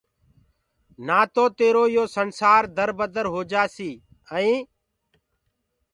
نآ تو تيرو يو سنسآر دربدر هوجآسيٚ ائينٚ